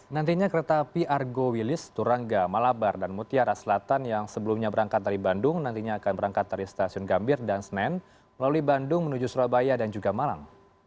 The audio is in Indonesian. nantinya kereta api argo wilis turangga malabar dan mutiara selatan yang sebelumnya berangkat dari bandung nantinya akan berangkat dari stasiun gambir dan senen melalui bandung menuju surabaya dan juga malang